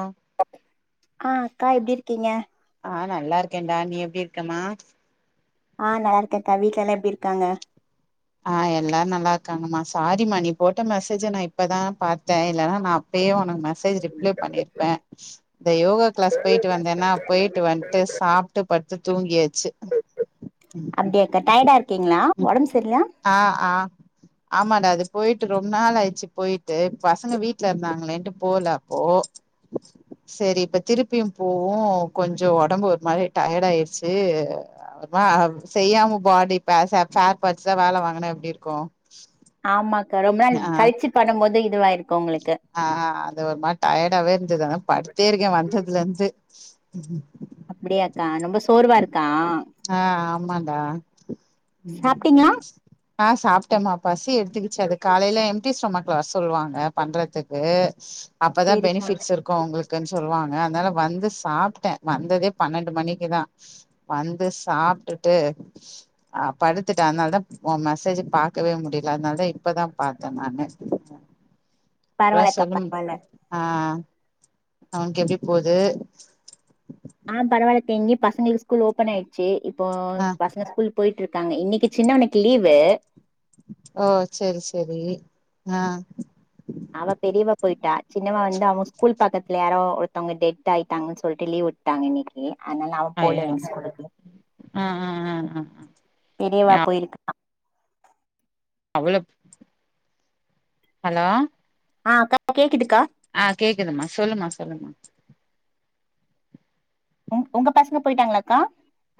ஆஹ ஆஹ் அக்கா எப்படி இருக்கீங்க ஆஹ் நல்லா இருக்கேன்டா நீ எப்படி இருக்கமா ஆஹ் நல்லா இருக்கேன்க்கா வீட்டுல எல்லாம் எப்படி இருக்காங்க ஆஹ் எல்லாரும் நல்லா இருக்காங்கம்மா சாரிம்மா நீ போட்ட மெசேஜை நான் இப்பதான் பாத்தேன் இல்லலைன்னா நான் அப்பயே உனக்கு மெசேஜ் ரிப்ளே பண்ணிருப்பேன் இந்த யோகா கிளாஸ் போயிட்டு வந்தேன்னா போயிட்டு வந்துட்டு சாப்பிட்டு படுத்து தூங்கியாச்சு அப்டியாக்கா டயர்டா இருக்கீங்களா ஒடம்பு சரியில்ல ஆஹ் ஆமாடா அது போயிட்டு ரொம்ப நாள் ஆயிடுச்சு போயிட்டு பசங்க வீட்டுல இருந்தாங்களேன்ட்டு போலப்போ செரி இப்ப திருப்பியும் போவும் கொஞ்சம் உடம்பு ஒரு மாதிரி டயர்ட் ஆயடுச்சு செய்யாம பாடி ச்சா வேல வாங்கின எப்படி இருக்கும் ஆமாக்கா ரொம்ப நாள் கழுச்சு பண்ணும்போது [unintelligible] ஆஹ் ஆஹ் அது ஒரு மாதிரி டயர்டாவே இருந்ததுான் படுடத்தே இருக்கேன் வந்ததுல இருந்து உம் அப்படியாக்கா ரொம்ப சோர்வா இருக் ஆஹ் ஆமாடா உம் சாப்ட்டீங்களா ஆஹ் சாப்பிட்டேம்மா பசி எடு த்குச்ச அது காலைய எம்டி ஸ்மக் வர சொல்லுவாங்க பண்றதுக்கு அப்பதான் சேரிக்கா பெனிஃபிட்ஸ் இருக்கும் உங்களுக்குன்னு சொல்லுவாங்க அதனால வந்து சாப்பிட்டேன் வந்ததே பன்னெண்டு மணிக்கு தான் வந் து சாப்பிட்டுட்டு அஹ் படுத்துட்டேன் அதனாலதான் மெசேஜ் பாக்கவே முடியல அதனாலதான் இப்பதான் பாத்தேன் நானு அப்புறம் பரவால்லக்கா சொல்லும் பரவால்ல ஆஹ் அவனுக்கு எப்படி போகுது ஆஹ பரவாயில்ல யிங்கே பசங்களுக்கு ஸ்கூல் ஓப்பன் ஆயிடுச்சு இப்ப ஆ பசங்க ஸ்கூல் போயிட்டு இருக்கு இருக்காங்க இன்னைக்கு சின்னவனுக்கு லீவு ஓ சரி சரி ஆஹ் அவ பெரியவா போயிட்டா சின்னவா வந்து அவங்க ஸ்கூல் பக்கத்துல யாரோ ஒருத்தங்க டெட் ஆயிட்டாங்கன்னு சொல்லிட்டு லீவ் விட்டாங்க இன்னைக்கு அதனால அவன் போல ஐயோ எ ஸ்கூலக்கு ஆ ஆ ஆ ஆ தெரியவா யா இவபோயிருக்கான் மல ஹலோ ஆஹ் கேக்குதுக்கா ஆஹ் கேக்குதமா சொல்லுமா சொல்லுமா உங உங்க பசங்க போயிட்டாங்களாக்கா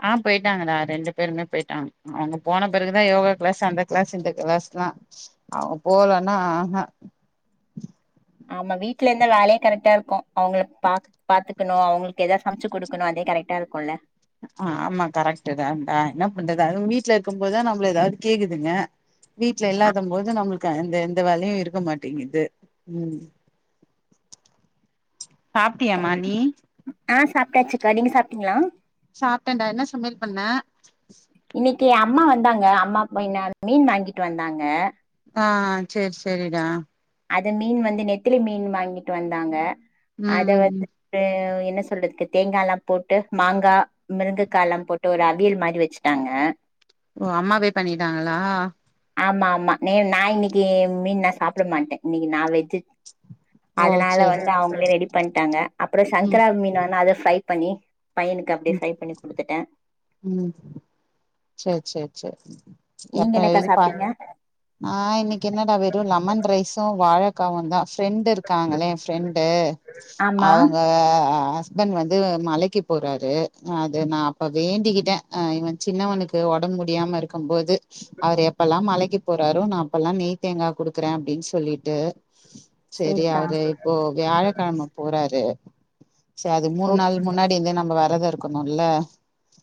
ஆஹ் போயிட்டாங்கடா ரெண்டு பேருமே போயிட்டாங்க அவங்க போன பிறகுதான் யோகா கிளாஸ் அந்த கிளாஸ் இந்த கிளாஸ்ல்லாம் அவங்க போலன்னா ஆஹ ஆமா வீட்டுல இருந்த வேலையையும் கரெக்டா இருக்கும் அவங்களை பா பாத்துக்கணும் அவங்களுக்கு ஏதாவது சமைச்சு கொடுக்கணும் அதே கரெக்டா இருக்கும்ல்ல ஆஹ் ஆமா கரெக்டு தான்டா என்ன பண்றது அதுவும் வீட்ல இருக்கும் போதுதான் நம்மள ஏதாவது கேக்குதுங்க வீடல இல்லாத போது நம்மளுக்கு அந்த எந்த வேலையும் இருக்க மாட்டேங்குது உஹம் சாப்பிட்டியமா நீ ஆஹ் சாப்பிட்டாச்சுக்கா நீங்க சாப்பிட்டீங்களா சாப்பிட்டேன்டா என்ன சமையல் பண்ண இன்னைக்கு அம்மா வந்தாங்க அம்மான மீன் வாங்கிட்டு வந்தாங்க ஆஹ் சரி சரிடா அது மீன் வந்து நெத்திலி மீன் வாங்கிட்டு வந்தாங்க ம் அத ம் வ ம் என்ன சொல்றதுக்கு தேங்காய் எல்லாம் போட்டு மாங்காய் முருங்கைக்காய் எல்லாம் போட்டு ஒரு அவியல் மாதிரி வச்சுட்டாங்க ஓ அம்மாவே பண்ணிட்டாங்களா ஆமா ஆமா ந நான் இன்னைக்கு மீன் நான் சாப்பிட மாட்டேன் இன்னைக்கு நான் வெஜ் ஓ அதனால சேரி வந்து அவங்களே ரெடி பண்ணிட்டாங்க அப்புறம் சங்கரா மீன் வந்து அது ஃப்ரை பண்ணி பையனுக்கு அப்டியே ஃப்ரை பண்ணி குடுத்துட்டே உம் சரி சரி சரி நீங்க என்னக்கா சாப்பிட்டீங்க நான் இன்னைக்கு என்னடா வெறும் லெமன் ரைஸம் வாழை அக்கா வந்தா ஃப்ரெண்டு இருக்காங்களே ஃப்ரெண்டு ஆமா அவங்க ஹஸ்பண்ட் வந்து மலைக்கு போறாரு அது நான் அப்ப வேண்டிக்கிட்டேன்ஹ் இவன் சின்னவனுக்கு உடம்பு முடியாம இருக்கும் போது அவர் எப்பல்லாம் மலைக்கு போறாரும் நான் அப்பெல்லாம் நெய் தேங்கா குடுக்குறேன் அப்படின்னு சொல்லிட்டு சரி சேரிக்கா அவரு இப்போ வியாழக்கிழமை போறாரு சரி அது மூணு ஓகே நாள் முன்னாடி வந்து நம்ம வர நழதான் இருக்கணும்ல்ல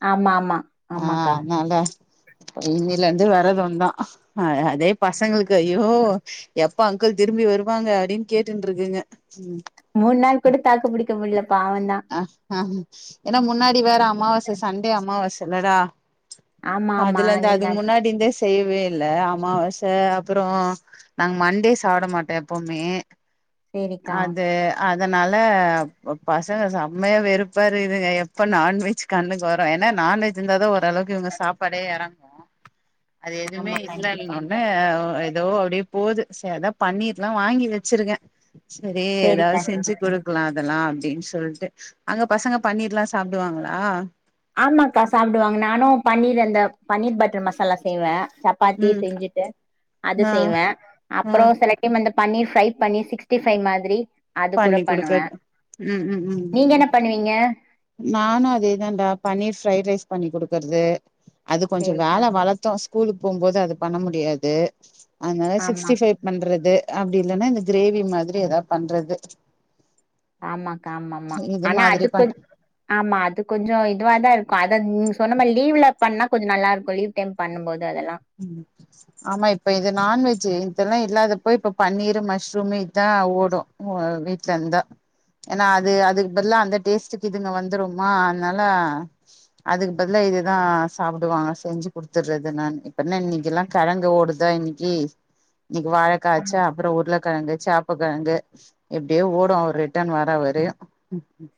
ஆமா ஆமா ஆமாக்கா இனில இருந்து வறது ஒன தான் அஹ அதே பசங்களுக்கு ஐயோ எப்ப அங்கிள் திரும்பி வருவாங்க அப்படின்னு கேட்டுட்டு இருக்குங்க ம் மூணு நாள் கூட தாக்கு பிடிக்க முடியலப்பா அவன் தான் அ ஆ ஏன்னா முன்னாடி வேற அமாவாசை சண்டே அமாவாசை இல்லடா ஆமா ஆமா அதுல இருந்து நீங்க அதுக்கு முன்னாடி இருந்தே செய் இல்ல அமாவாசை அப்புறம் நாங்க மண்டே சாப்பிட மாட்டோம் எப்பவுமே சேரிக்கா அது அ அதனால பசங்க செம்மையா வெறுப்பார் இதுங்க எப்ப நான்வெஜ் கண்ணு வரும் ஏன்னா நான்வெஜ் அந்தாதான்ஓரளவுக்கு இவங்க சாப்பாடே இறங்குவோம் அது எதுவுமே ஆமா இல்ல கண்டிப்பா அப்டிநொன்னே எதோ அப்டி போவுது சரிதா பன்னீர்லா வாங்கி வச்சிருக்கேன் சரி சேரிக்கா ஏதாவது செஞ்சு சேரிக்கா கொடுக்கலாம் அதெல்லாம் அப்டின்னு சொல்ட்டு அங்க பசங்க பண்ணீர்லா சாப்டுவாங்களா ஆமாக்கா சாப்டுவாங்க நானு பன்னீர் அந்த பன்னீர் பட்டர் மசாலா செய்வே சப்பாத்தி ம் செஞ்சுட்டு அது ஆ செய்வே ஆ அப்பறோ செல டைம் வந்து பன்னீர் ஃப்ரை பண்ணி சிக்ஸ்டி ஃபை மாதிரி அது கூட பண்ணி பண்ணுவே குடுக்கறது நீங்க என்ன பண்ணுவீங்க நானும் அதேதான்டா பன்னீர் ஃப்ரைட் ரைஸ் பண்ணி குடுக்குறது அது கொஞ்சோ சேரிக்கா வேல வளத்து ஸ் ஸ்கூலுக்கு போம்போது அத பண்ண முடியாது அதனால ஆமா சிக்ஸ்டி ஃபை பண்றது அப்டி இல்லன்னா இந்த கிரேவி மாரி எதா பண்றது ஆமாக்கா ஆமா ம்மா இது ஆனா மாதிரி அதுக்கு கொ பண் ஆமா அது கொஞ்சோ இதுவ தாருக்கு அத நீங்க சொன்ன மாரி லீவ்ல பண்ணா கொஞ்சோ நல்லாருக்கு லீவ் டைம் பண்ணும்போது அதெல்லா ம் ஆமா இப்ப இது நான்வெஜு இதேல்லா இல்லாதப இப்ப பன்னீரு மஷ்ரூமு இதா ஓடு வீட்டுலருந்தா ஏன்னா அது அதுக்கு பதில அந்த டேஸ்ட்டுக்கு இதுங்க வந்துரும்மா அதனால அதுக்கு பதில இதுதா சாப்டுவாங்க செஞ்சு குடுத்துடுறது நானு அப்றோ என்ன இன்னைக்கில்லாம் கழங்கு ஓடுதா இன்னைக்கி இன்னைக்கி வாழக்காச்சா அப்புறோ உருளைக்கழங்கு சாப்பகழங்கு எப்டியோ ஓடு ஒரு ரிட்டர்ன் வரா வர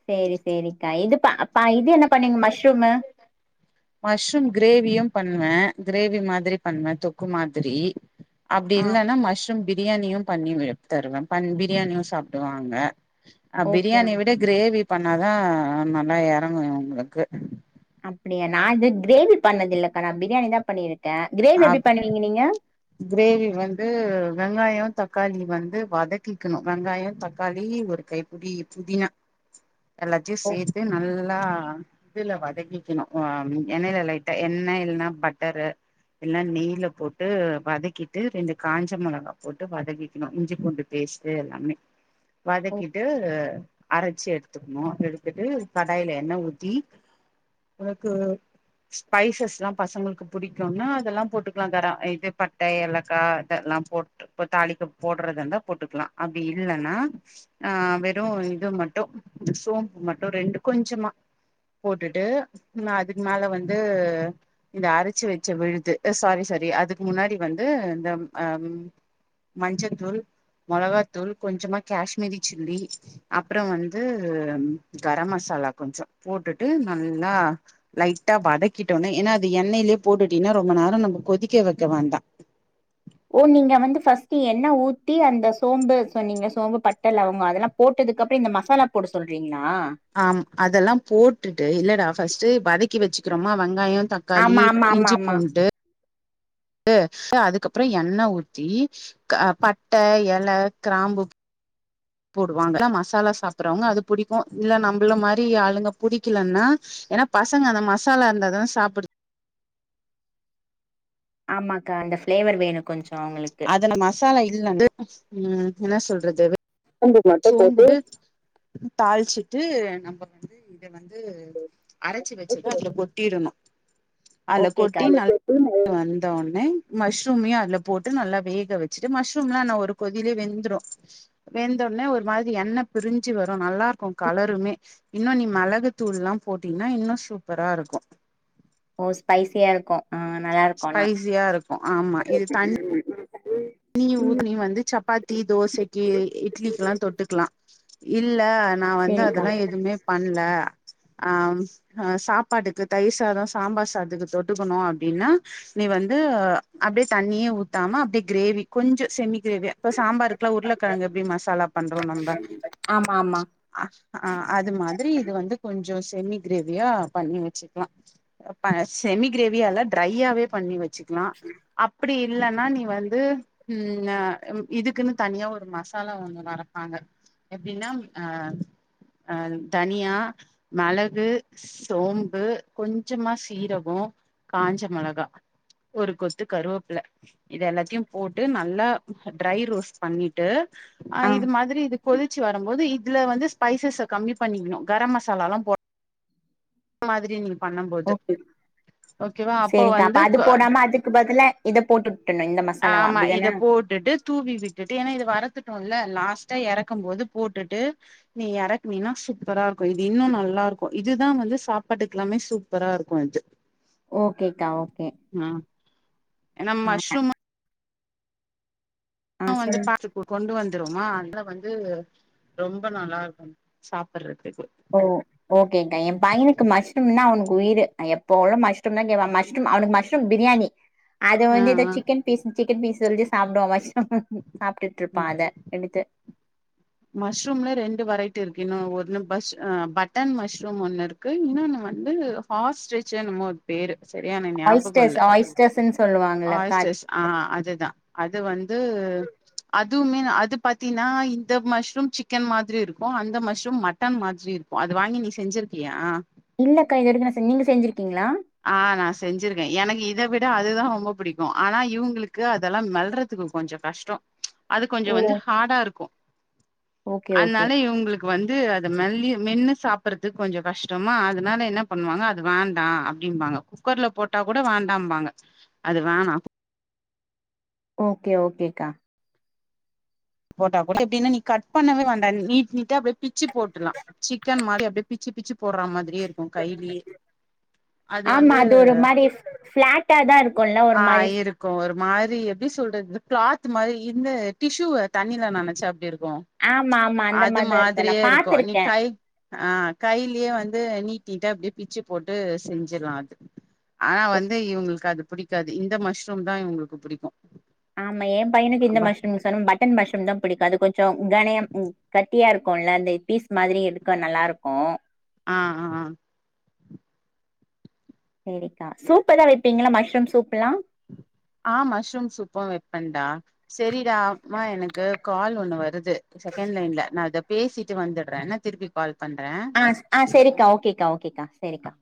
செரி செரிக்கா இதுப்ப ப இது என்ன பண்ணீங்க மஷ்ரூமு மஷ்ரூம் கிரேவியும் பண்ணுவே கிரேவி மாதிரி பண்ணுவே தொக்கு மாதிரி அப்டி ஆ இல்லன்னா மஷ்ரூம் பிர் பிரியாணியு பண்ணி வ தருவே பிரியாணியு சாப்டுவாங்க அ ஓகே பிரியாணிய விட கிரேவி பண்ணாதா அ நல்லா எ [unintelligible] உங்களுக்கு அப்பிடியா நா இது கிரேவி பண்ணது இல்லக்கா நா பிரியாணி தா பண்ணியிரு க்கே கிரேவி எப்டி அப் பண்ணுவீங்க நீங்க கிரேவி வந்து வெங்காயோ தக்காளி வந்து வதக்கிக்கணு வெங்காய தக்காளி ஒரு கை புடி புதினா எல்லாத்தையு சேத்து நல்லா இதுல வதக்கிக்கணு அ எண்ணெய்ல லைட்டா எண்ணெய் இல்லனா பட்டரு இல்ல நெய்ல போட்டு வதக்கிட்டு ரெண்டு காஞ்ச மொளகா போட்டு வதக்கிக்கணு இஞ்சி பூண்டு பேஸ்ட்டு எல்லாமே ஓ வதக்கிட்டு அரைச்சு எடுத் த்துக்கணு எடுத்துட்டு கடாயில எண்ணெ ஊத்தி உனக்கு ஸ்பைசஸ்லா பசங்களுக்கு பிடிக்கும்னா அதெல்லா போட்டுக்கலாம் கரா இது பட் பட்ட ஏலக்கா இதெல்லா போட்டு தாளிக்க போடுறதந்தா போட்டுக்கலா அப்டி இல்லன்னா அ வெறும் இது மட்டு சோம்பு மட்டு ரெண்டு கொஞ்சமா போட்டுட்டு அதுக்கு மேல வந்து இந்த அரச்சு வச்ச விழுது சாரி சாரி அதுக்கு முன்னாடி வந்து இந்த ம் மஞ்சத்தூள் மொளகாத்தூள் கொஞ்சமா காஷ்மீரி சில்லி அப்றோ வந்து கரம் மசாலா கொஞ்ச போட்டுட்டு நல்லா லைட்டா வதக்கிட்டோனே ஏன்னா அது எண்ணெய்லே போட்டுட்டீன்னா ரொம்ப நேரோ நம்ம கொதிக்க வைக்க வேண்டா ஓ நீங்க வந்து ஃபர்ஸ்ட் என்ன ஊத்தி அந்த சோம்பு சொன்னீங்க சோம்பு பட்டை லவங்க அதெல்லா போட்டதுக்குப்புறம் இந்த மசாலா போட சொல்றீங்களா ஆம் அதெல்லா போட்டுட்டு இல்லடா ஃபர்ஸ்ட் வதக்கி வச்சுக்கிறோமா வெங்காயம் தக்காளி ஆமா ஆமா ஆமா இஞ்சி ஆமா பூண்டு விழுது அதுக்கு அப்புறம் எண்ணெய் ஊத்தி பட்டை இலை கிராம்பு போடுவாங்க மசாலா சாப்புடுறவங்க அது புடிக்கும் இல்ல நம்மள மாரி ஆளுங்க புடிக்கலன்னா ஏன்னா பசங்க அந்த மசாலா இருந்தா தான் சாப்புடு ஆமாக்கா அந்த ஃப்ளேவர் வேணும் கொஞ்சோ அவங்களுக்கு அதுல மசாலா இல்ல ந்து உம் என்ன சொல்றது சோம்பு மட்டு போட்டு சோம்பு தாளிச்சி தூ நம்ப இத வந்து அரைச்சு வச்சுத அதுல கொட்டிடணும் ஓகே கா மஷ்ரூமையும் அதுல போட்டு நல்லா வேக வச்சுட்டு மஷ்ரூம்லா ந ஒரு கொதிலயே வெந்துரும் வெந் ந்த உடனே ஒரு மாதிரி எண்ணெய் பிரிஞ்சு வரும் நல்லா இருக்கும் கலருமே இன்னும் நீ மிளகு தூள்லா போட்டீன்னா இன்னும் சூப்பரா இருக்கும் ஒ ஸ்பைசியா இருக்கும் ஸ்பைசியா இருக்கும் ஆமா இது தண்ணி நீ ஊத்து நீ வந்து சப்பாத்தி தோசைக்கு இட்லிக்கு எல்லா தொட்டுக்கலா இல் இல்ல நான் வந்து சேரிக்கா அதெல்லா எதுமே பண்ணல ஆஹ் அஹ் சாப்பாட்டுக்கு தயிர் சாதம் சாம்பார் சாதத்துக்கு தொட்டுக்கணும் அப்படின்னா நீ வந்து அப்படியே தண்ணியே ஊத்தாம அப்படியே கிரேவி கொஞ்ச செமி கிரேவியா இப்ப சாம்பாருக்கெல்லா உருளைக்கிழங்கு எப்படி மசாலா பண்றோம் நம்ம ஆமா ஆமா ச்சு அஹ் ஆஹ் அது மாதிரி இது வந்து கொஞ்சோ செமி கிரேவியா பண்ணி வச்சுக்கலாம் செமி கிரேவியல்ல ட்ரையாவே பண்ணி வச் ச்சுக்கலாம் அப்படி இல்லநா நீ வந் து ம் ந இதுக்குன்னு தனியா ஒரு மசாலா ஒன்னு வரப்பாங்க எப்படின்னா ஆ ஆ தனியா மிளகு சோம்பு கொஞ்சமா சீரகம் காஞ்ச மிளகா ஒரு கொத்து கருவேப்பில இது எல்லாத்தையும் போட்டு நல்லா ட்ரை ரோஸ்ட் பண்ணிட்டு ஆ இது மாதிரி இது கொதிச்சு வரும் போது இ இதுல வந்து ஸ்பைசஸை கம்மி பண்ணிக்கணும் கரம் மசாலாலாம் போ மாதிரி நீ பண்ணும்போது ஓகே ஓகேவா அப்ப சேரிக்கா வந்து அது க போடாம அதுக்கு பதிலா இத போட்டு விட்டணு இந்த மசாலாவ ஆமா இத அப்டிதான போட்டுட்டு தூவி விட்டுட்டு ஏன்னா வரத்துட்டு டோம் ல லாஸ்டா இறக்கும் போது போட்டுட்டு நீ இறக்குனீனா சூப்பரா இருக் கோம் இது இன்னோ நல்லா இருக்கும் க் இதுதான் வந்து ஸ் சாப்பாட்டுக்கெலாமே சூப்பரா இருக்கும் இது ஓகேக்கா ஓகே ம் ஏன்னா ஆ மஷ்ரூம் ஆ ஆன் வந்து சொல்லுங் பாத்துக்கோ கொண்டு வந்து ந்துருமா அதுல வந்து ரொம்ப நல்லா இருக்கும் சாப்புடுற ஓ ஓகேக்கா என் பையனுக்கு மஷ்ரூம்னா அவனுக் உயிரு எப்பவுமே மஷ்ரூம் தான் கேப்பான் மஷ்ரூம் அவனுக்கு மஷ்ரூம் பிரியாணி அது ஆ வந்து எதோ ஆ சிக்கன் பீஸ் சிக்கன் பீஸு வந்து சாப்டுவான் மஷ் சாப்பிட்டுட்டு இருப்பான் அத எடுத்து மஷ்ரூம்ல ரெண்டு வெரைட்டி இருக்கு இன்னு ஒன்னு பஷ் ஆ பட்டன் மஷ்ரூம் ஒண்ணு இருக்கு இன்னொண்ணு வந்து ஹாஸ் ஸ்டெர்ச் என்னமோ ஒரு பேரு ஆயஸ்டர்ஸா ஆயஸ்டஸ்னு ஆ ஆயிஸ்ட்டர்ஸ் ஆ அதேதான் அது வந்து அதுவுமே அது பாத்தீன்னா இந்த மஷ்ரூம் சிக்கன் மாதிரி இருக்கும் அந்த மஷ்ரூம் மட்டன் மாதிரி இருக்கும் அது வாங்கி நீ செஞ்சிருக்கியா இல்லக்கா இது வரைக்கும் நான் செஞ்சதில்ல நீங்க செஞ்சிருக்கீங்களா ஆ நான் செஞ்சிருக்கேன் எனக்கு இதை விட அதுதான் ரொம்ப பிடிக்கும் ஆனா இவுங்களுக்கு அதெல்லாம் மெல்றதுக்கு கொஞ்சம் கஷ்டம் அது ஓ கொஞ்சம் வந்து ஹார்டா இருக்கும் ஓகே ஓகே அதனால இவுங்களுக்கு வந்து அத மெல்லி மென்னு சாப்பிடறதுக்கு கொஞ்சம் கஷ்டமா அதனால என்ன பண்ணுவாங்க அது வேண்டாம் அப்டிம்பாங்க குக்கர்ல போட்டா கூட வேண்டாம்பாங்க அது வேணாம் ஓகே ஓகேக்கா போட்டா கூடஎப்டின்னா நீ கட் பண்ணவே வேண்டாம் நீட் நீட்டா வெட் பிச்சு போட்டுலாம் சிக்கன் மாரி அப்படியே பிச்சு பிச்சு போட்ற மாதிரியே இருக்கு கைலியே ஆமா அது ஒரு மாரி ஃபிளாட்டா தா இருக்கு ல ஒரு ஆ மாரி இருக்கு ஒரு மாரி எப்டி சொல்றது கிளாத் மாரி இந்த டிஸ்யூவ தண்ணில நனச்சா எப்டி இருக் கு ஆமா ஆமா அந்த அது மாரிதா நா மாதிரியே இருக்கு நீ பாத்திருக்கே கை ஆஹ் கைலியே வந்து நீக் நீட்டா அப்டியே பிச்சு போட்டு செஞ்சர்லாம் அது ஆனா வந்து இவுங்களுக்கு அது புடிக்காது இந்த மஷ்ரூம் தான் இவுங்களுக்கு பிடிக்கும் ஆமா என் பையனுக்கு இந்த மஷ்ரூம்னு சொன்னே பட்டன் மஷ் தான் பிடிக்கும் அது கொஞ்சம் கனயம் கட்டியா இருக்கும்ல்ல அந்த பீஸ் மாதிரி எடுக்க நல்லாருக்கும் ஆஹ்ன் ஆஹான் சேரிக்கா சூப்பெதாது வைப்பீங்களா மஷ்ரூம் சூப்லாம் ஆஹ்ன் மஷ்ரூம் சூப்பும் வைப்பேன்டா சேரிடா மா எனக்கு கால் ஒண்ணு வருது செகண்ட் லைன்ல நான் அத பேசிட்டு வந்துடுறேன் என்னா திருப்பி கால் பண்றே ஆஹ் ஆஹ் சேரிக்கா ஓகேக்கா ஓகேக்கா சேரிக்கா